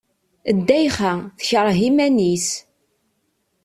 Ddayxa, tekreh iman-is.